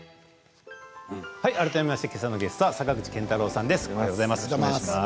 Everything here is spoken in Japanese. けさのゲストは坂口健太郎さんです。